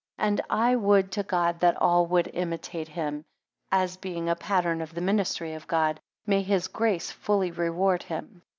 21 And I would to God that all would imitate him, as being a pattern of the ministry of God. May his grace fully reward him.